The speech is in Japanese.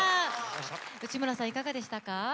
内村さん、いかがでしたか？